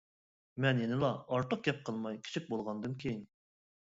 مەن يەنىلا ئارتۇق گەپ قىلماي، كىچىك بولغاندىن كېيىن.